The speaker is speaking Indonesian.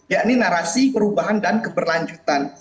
yakni narasi perubahan dan keberlanjutan